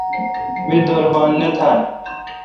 می در بان نہ تھال۔